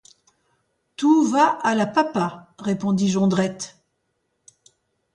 Tout va à la papa, répondit Jondrette.